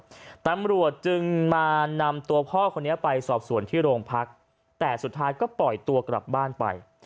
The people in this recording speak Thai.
ตำรวจจึงมานำตัวพ่อคนนี้ไปสอบส่วนที่โรงพักแต่สุดท้ายก็ปล่อยตัวกลับบ้านไป